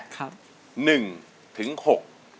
๑ถึง๖แผ่นไหนครับ